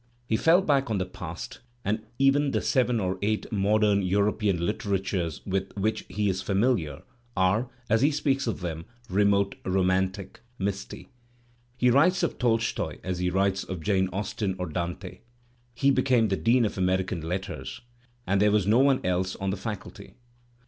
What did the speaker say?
He fell back on the past; and even the seven or eight modem European literatures with which he is familiar are, as he speaks of them, remote, romantic, misty. He writes of Tolstoy as he writes \ot Jane Austen or Dante. He became the Dean of American >( J Letters, and there was no one else on the Faculty.